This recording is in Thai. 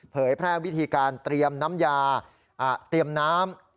เผยแพร่วิธีการเตรียมน้ำยาเตรียมน้ำ